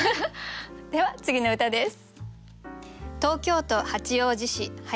では次の歌です。